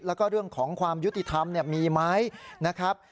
แล้วก็เรื่องของความยุติธรรมมีไหมนะครับ